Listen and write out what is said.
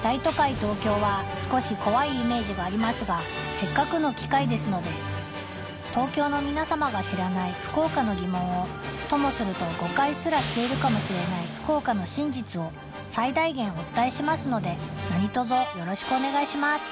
東京は少し怖いイメージがありますがせっかくの機会ですので東京の皆様が知らない福岡の疑問をともすると誤解すらしているかもしれない福岡の真実を最大限お伝えしますので何とぞよろしくお願いします